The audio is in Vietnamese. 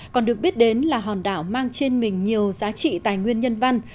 còn được biết đến là hòn đảo mang trên mình nhiều giá trị tài nguyên nhân văn